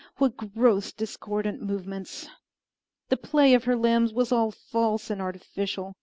What gross, discordant movements! The play of her limbs was all false and artificial.